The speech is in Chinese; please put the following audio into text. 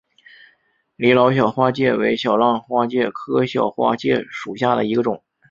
李老小花介为小浪花介科小花介属下的一个种。